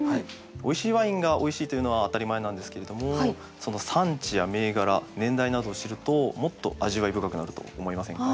おいしいワインがおいしいというのは当たり前なんですけれどもその産地や銘柄年代などを知るともっと味わい深くなると思いませんか？